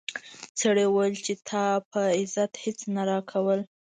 سړي وویل چې تا په عزت هیڅ نه راکول.